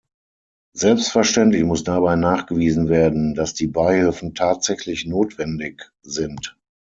Selbstverständlich muss dabei nachgewiesen werden, dass die Beihilfen tatsächlich notwendig sind.